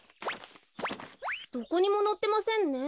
どこにものってませんね。